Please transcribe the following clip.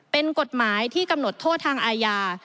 เป็นกฎหมายที่กำหนดโทษทางอาญา